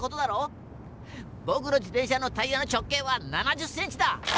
ぼくの自転車のタイヤの直径は７０ｃｍだ！